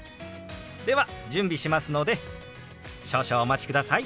では準備しますので少々お待ちください。